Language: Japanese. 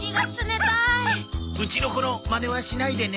うちの子のマネはしないでね。